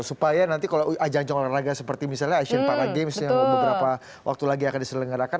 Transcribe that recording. supaya nanti kalau ajang olahraga seperti misalnya asian para games yang beberapa waktu lagi akan diselenggarakan